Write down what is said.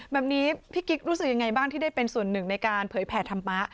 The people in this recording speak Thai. แบบนี้พี่กิ๊กรู้สึกยังไงบ้างที่ได้เป็นส่วนหนึ่งในการเผยแผ่ธรรมะ